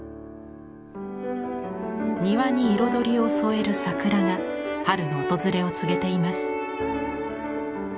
庭に彩りを添える桜が春の訪れを告げています。